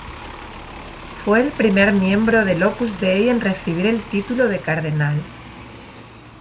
Fue el primer miembro del Opus Dei en recibir el título de Cardenal.